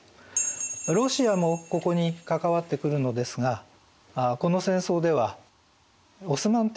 ロシアもここに関わってくるのですがこの戦争ではオスマン帝国を支援しました。